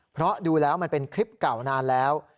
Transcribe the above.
เพราะดูแล้วมันเป็นคลิปเก่านานแล้ว